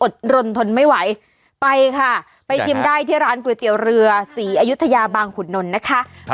รนทนไม่ไหวไปค่ะไปชิมได้ที่ร้านก๋วยเตี๋ยวเรือศรีอยุธยาบางขุนนลนะคะ